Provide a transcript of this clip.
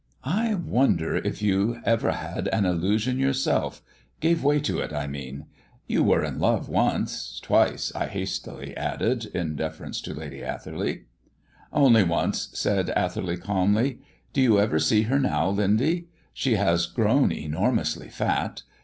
"I wonder if you ever had an illusion yourself gave way to it, I mean. You were in love once twice," I added hastily, in deference to Lady Atherley. "Only once," said Atherley, calmly. "Do you ever see her now, Lindy? She has grown enormously fat.